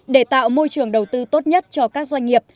để tạo môi trường đầu tư tốt nhất cho các doanh nghiệp